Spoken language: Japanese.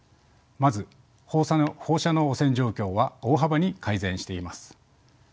まず放射能汚染状況は大幅に改善しています。